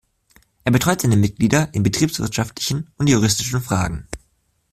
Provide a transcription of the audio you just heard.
Er betreut seine Mitglieder in betriebswirtschaftlichen und juristischen Fragen.